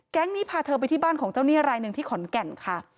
นี้พาเธอไปที่บ้านของเจ้าหนี้รายหนึ่งที่ขอนแก่นค่ะ